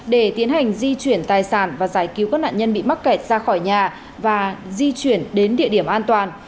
để tiến hành di chuyển tài sản và giải cứu các nạn nhân bị mắc kẹt ra khỏi nhà và di chuyển đến địa điểm an toàn